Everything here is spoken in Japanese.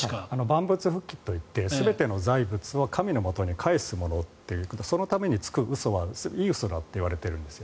万物復帰と言って全ての財物を神のもとに返すものというそのためにつく嘘はいい嘘だとされているんです。